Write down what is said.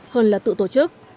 hơn là tự tổ chức